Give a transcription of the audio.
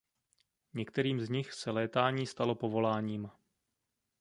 Některým z nich se létání stalo povoláním.